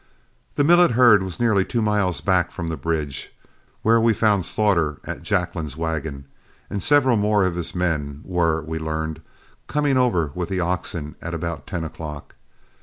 The Millet herd was nearly two miles back from the bridge, where we found Slaughter at Jacklin's wagon; and several more of his men were, we learned, coming over with the oxen at about ten o'clock.